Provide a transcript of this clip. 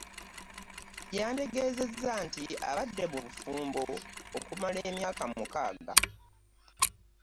Yantegeeza nti abadde mu bufumbo okumala emyaka mukaaga.